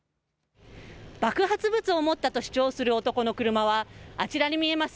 爆発物を持ったと主張する男の車はあちらに見えます